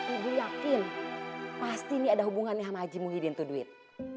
ibu yakin pasti ini ada hubungannya sama haji muidin tuh duit